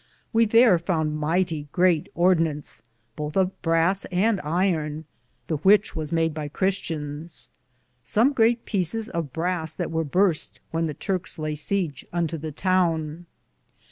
We there founde myghtie greate ordenance, bothe of brass and Iron, the which was made by Christians ; som great peecis of brass that weare burste when the Turkes lay seige unto the towne.